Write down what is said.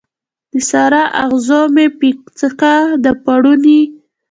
د سارا، اغزو مې پیڅکه د پوړنې